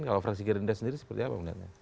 kalau fraksi gerindra sendiri seperti apa melihatnya